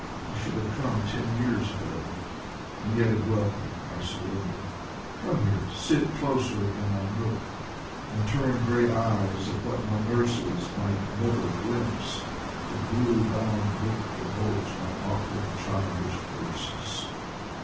You should have come ten years ago. And yet in welcome I surrender. Come here, sit closer in our nook, And turn gay eyes at what my nurses Might never glimpse: the blue bound book That holds my awkward childish verses.